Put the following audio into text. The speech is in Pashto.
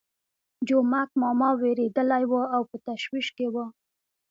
جومک ماما وېرېدلی وو او په تشویش کې وو.